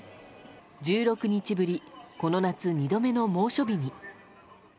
１６日ぶりこの夏２度目の猛暑日に。